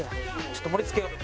ちょっと盛り付けよう。